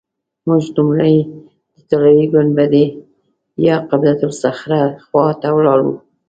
موږ لومړی د طلایي ګنبدې یا قبة الصخره خوا ته ولاړو.